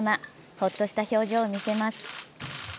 ホッとした表情を見せます。